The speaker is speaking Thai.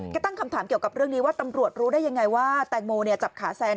ก็ตั้งคำถามเกี่ยวกับเรื่องนี้ว่าตำรวจรู้ได้ยังไงว่าแตงโมจับขาแซน